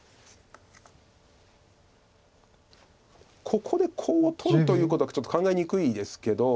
ここでコウを取るということはちょっと考えにくいですけど。